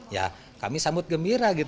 ya kami sambut gembira